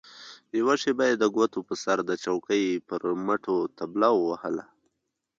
يوه شېبه يې د ګوتو په سر د چوکۍ پر مټو طبله ووهله.